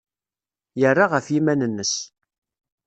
Yerra ɣef yiman-nnes.